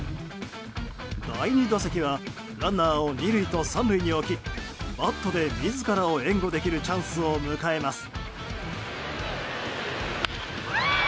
第２打席はランナーを２塁と３塁に置きバットで自らを援護できるチャンスを迎えます。